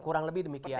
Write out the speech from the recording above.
kurang lebih demikian